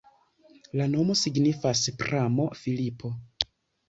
La nomo signifas pramo-Filipo.